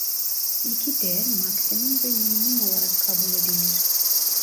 İki değer maksimum ve minimum olarak kabul edilir.